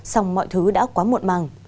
xong mọi thứ đã quá muộn màng